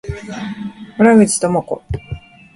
洞口朋子